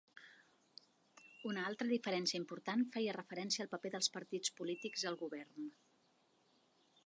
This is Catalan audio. Una altra diferència important feia referència al paper dels partits polítics al govern.